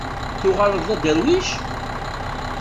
Tuɣaleḍ d aderwic?